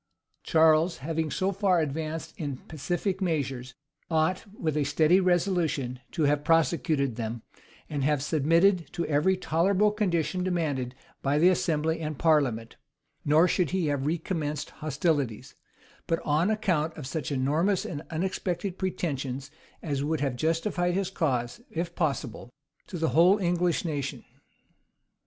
[*] Charles, having so far advanced in pacific measures, ought, with a steady resolution, to have prosecuted them, and have submitted to every tolerable condition demanded by the assembly and parliament; nor should he have recommenced hostilities, but on account of such enormous and unexpected pretensions as would have justified his cause, if possible, to the whole English nation.